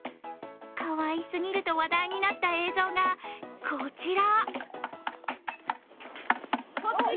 かわいすぎると話題になった映像がこちら。